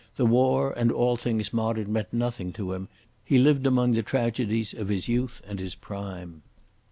The war and all things modern meant nothing to him; he lived among the tragedies of his youth and his prime.